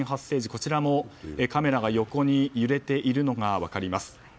こちらもカメラが横に揺れているのが分かります。